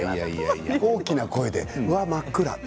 大きな声で、うわあ、真っ暗！